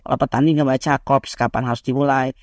kalau petani nggak baca korps kapan harus dimulai